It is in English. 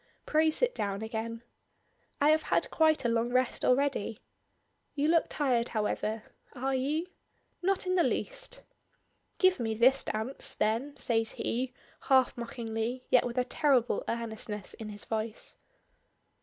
Pray sit down again." "I have had quite a long rest already." "You look tired, however. Are you?" "Not in the least." "Give me this dance," then says he, half mockingly, yet with a terrible earnestness in his voice.